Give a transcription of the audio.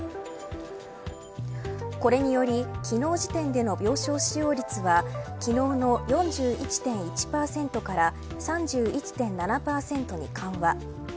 これにより昨日時点での病床使用率は昨日の４１．１％から３１．７％に緩和。